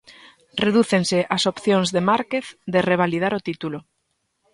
Redúcense as opcións de Márquez de revalidar o título.